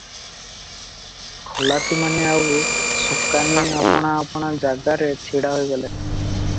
ଖଲାସିମାନେ ଆଉ ସୁକାନି ଆପଣା ଆପଣା ଜାଗାରେ ଛିଡ଼ା ହୋଇଗଲେ ।